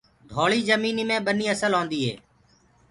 ڍوݪي جميني مي ٻني اسل هوندي هي۔